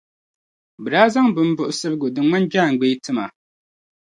be daa zaŋ bimbuɣisirigu din ŋmani jaaŋgbee ti ma.